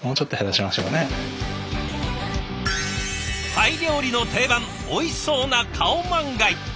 タイ料理の定番おいしそうなカオマンガイ。